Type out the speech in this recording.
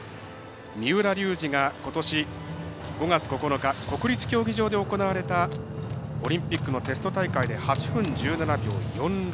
三浦龍司がことし５月９日国立競技場で行われたオリンピックのテスト大会で８分１７秒４６。